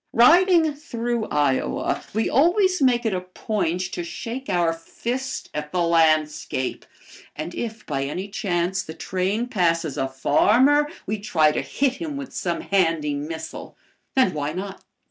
Riding through Iowa, we always make it a point to shake our fist at the landscape. And if by any chance the train passes a farmer we try to hit him with some handy missile. And why not?